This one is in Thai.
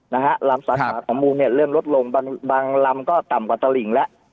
นะฮะลำสาธารณ์ของหมู่เนี้ยเริ่มลดลงบางบางลำก็ต่ำกว่าตะหลิงแล้วครับ